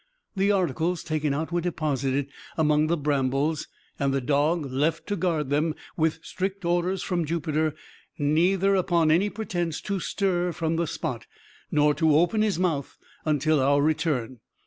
The articles taken out were deposited among the brambles, and the dog left to guard them, with strict orders from Jupiter neither, upon any pretence, to stir from the spot, nor to open his mouth until our return.